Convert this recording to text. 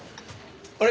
あれ？